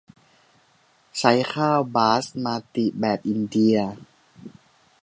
ใช้ข้าวบาสมาติแบบอินเดีย